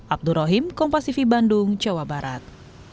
abdurrahim kompasivi bandung jawa barat